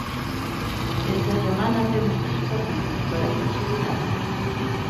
Esta semana temos tres partidos para conseguir algo.